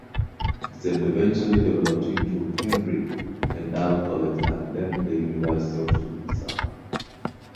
It eventually developed into Henry Kendall College and then the University of Tulsa.